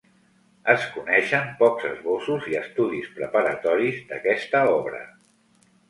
Es coneixen pocs esbossos i estudis preparatoris d'aquesta obra.